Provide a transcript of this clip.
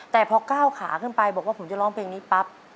แต่พอก้าวขาขึ้นไปบอกว่าผมจะร้องเพลงนี้ปั๊บ